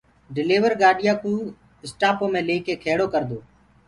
ڊليور گآڏِيآ ڪو اسٽآپو مي ليڪي کيڙو ڪردوئي